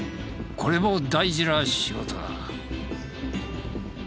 これも大事な仕事だ。